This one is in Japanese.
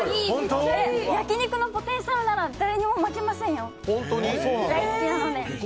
焼き肉のポテンシャルなら誰にも負けませんよ。